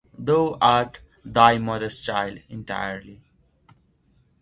Thou art thy mother’s child, entirely!